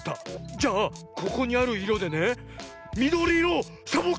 じゃあここにあるいろでねみどりいろをサボッ